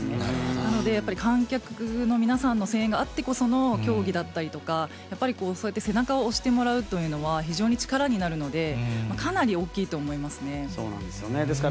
なので、やっぱり観客の皆さんの声援があってこその競技だったりとか、やっぱりこう、そうやって背中を押してもらうというのは非常に力になるので、そうなんですよね。